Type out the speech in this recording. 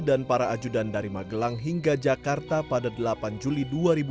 dan para ajudan dari magelang hingga jakarta pada delapan juli dua ribu dua puluh dua